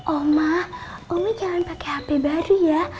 oma oma jangan pake hp baru ya